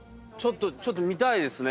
ちょっと見たいですね。